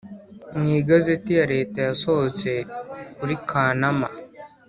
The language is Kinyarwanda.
Mu igazeti ya leta yasohotse kuri kanama